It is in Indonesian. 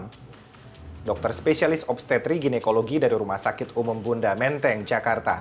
dokter spesialis dokter spesialis obstetri ginekologi dari rumah sakit umum bunda menteng jakarta